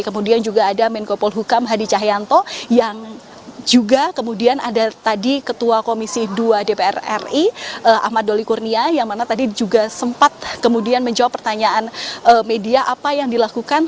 kemudian juga ada menko polhukam hadi cahyanto yang juga kemudian ada tadi ketua komisi dua dpr ri ahmad doli kurnia yang mana tadi juga sempat kemudian menjawab pertanyaan media apa yang dilakukan